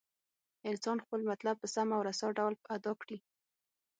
انسان خپل مطلب په سم او رسا ډول ادا کړي.